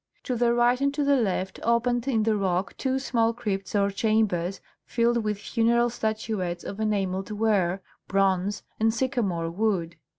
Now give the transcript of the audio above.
To the right and to the left opened in the rock two small crypts or chambers filled with funeral statuettes of enamelled ware, bronze, and sycamore wood.